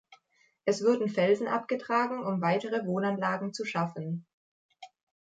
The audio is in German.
Es wurden Felsen abgetragen, um weitere Wohnanlagen zu schaffen.